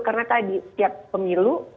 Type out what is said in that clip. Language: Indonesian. karena tadi setiap pemilu